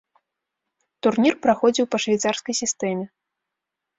Турнір праходзіў па швейцарскай сістэме.